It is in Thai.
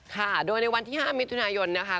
ค่ะโดยในวันที่๕มิถุนายนนะคะ